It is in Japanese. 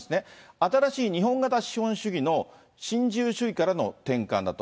新しい日本型資本主義の新自由主義からの転換だと。